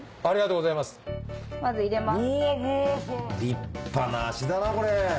立派な脚だなこれ。